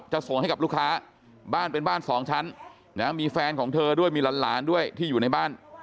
ส่งให้กับลูกค้าบ้านเป็นบ้านสองชั้นนะมีแฟนของเธอด้วยมีหลานด้วยที่อยู่ในบ้าน